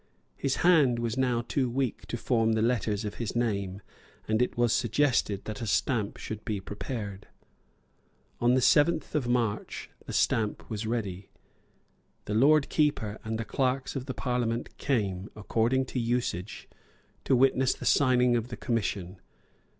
His hand was now too weak to form the letters of his name, and it was suggested that a stamp should be prepared. On the seventh of March the stamp was ready. The Lord Keeper and the clerks of the parliament came, according to usage, to witness the signing of the commission.